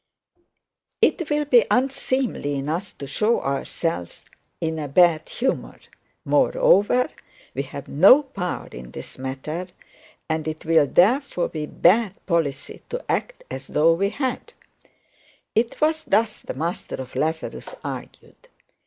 'It will be unseemly in us to show ourselves in a bad humour; and moreover we have no power in this matter, and it will therefore be bad policy to act as though we had.' 'Twas thus the master of Lazarus argued.